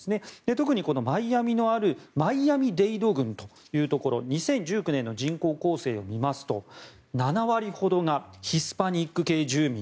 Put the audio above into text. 特にマイアミのあるマイアミ・デイド郡というところ２０１９年の人口構成を見ますと７割ほどがヒスパニック系住民。